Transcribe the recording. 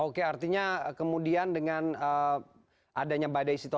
oke artinya kemudian dengan adanya badai situasi